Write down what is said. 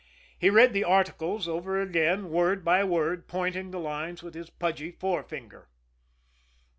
He read the "articles" over again word by word, pointing the lines with his pudgy forefinger.